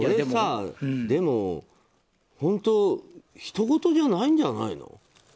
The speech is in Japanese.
でも、本当ひとごとじゃないんじゃないの？